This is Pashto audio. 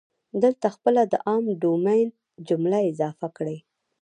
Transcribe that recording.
دلته خپله د عام ډومین جمله اضافه کړئ.